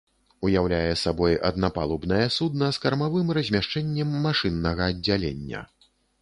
Уяўляе сабой аднапалубнае судна з кармавым размяшчэннем машыннага аддзялення.